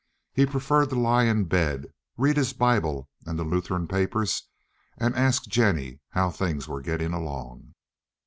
He preferred to lie in bed, read his Bible and the Lutheran papers, and ask Jennie how things were getting along.